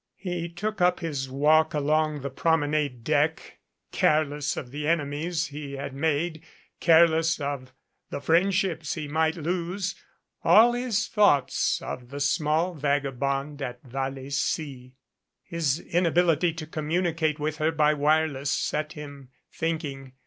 He took up his walk along the promenade deck, care less of the enemies he had made, careless of the friendships 327 MADCAP he might lose, all his thoughts of the small vagabond at Vallecy. His inability to communicate with her by wire less set him thinking.